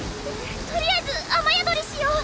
とりあえず雨宿りしよう。